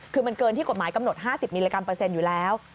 คือมันเกินที่กฎหมายกำหนด๕๐มิลลิกรัเปอร์เซ็นต์อยู่แล้ว